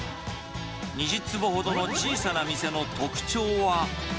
２０坪ほどの小さな店の特徴は。